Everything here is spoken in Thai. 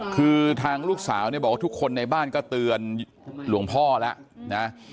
คือทางลูกสาวเนี่ยบอกว่าทุกคนในบ้านก็เตือนหลวงพ่อแล้วนะ